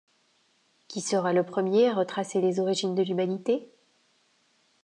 Qui sera le premier à retracer les origines de l'humanité?